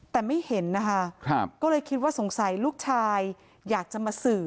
แต่ไม่เห็นนะคะก็เลยคิดว่าสงสัยลูกชายอยากจะมาสื่อ